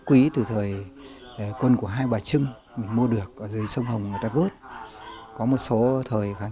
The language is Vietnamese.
quý từ thời quân của hai bà trưng mình mua được ở dưới sông hồng người ta bớt có một số thời gắn